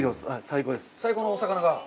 最高のお魚が？